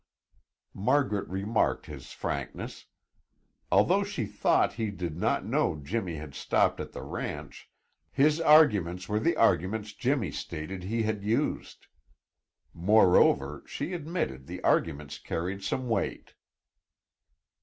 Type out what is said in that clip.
Margaret remarked his frankness. Although she thought he did not know Jimmy had stopped at the ranch, his arguments were the arguments Jimmy stated he had used. Moreover, she admitted the arguments carried some weight.